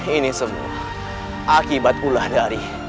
ini semua akibat ulah dari